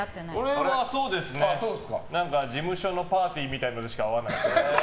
俺は事務所のパーティーみたいなのでしか会わない。